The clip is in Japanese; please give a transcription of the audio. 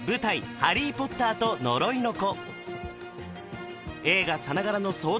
「ハリー・ポッターと呪いの子」